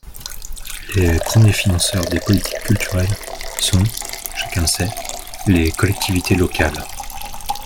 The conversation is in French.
Les premiers financeurs des politiques culturelles sont, chacun le sait, les collectivités locales.